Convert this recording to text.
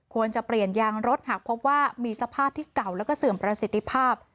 ควรจะเปลี่ยนยางรถหากพบว่ามีสภาพที่เก่าแล้วก็เสื่อมประสิทธิภาพ